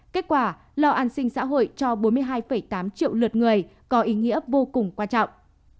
kết quả lo an sinh xã hội cho bốn mươi hai tám triệu lượt người có ý nghĩa vô cùng quan trọng